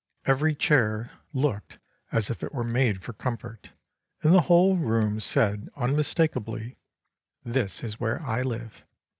Every chair looked as if it were made for comfort, and the whole room said unmistakably, "This is where I live."